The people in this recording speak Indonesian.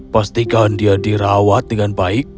pastikan dia dirawat dengan baik